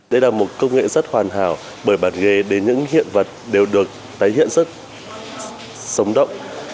đây là một công nghệ rất hoàn hảo bởi bản ghế để những hiện vật đều được tái hiện rất sống động